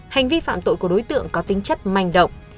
hành vi phạm tội của đối tượng có tính chất manh động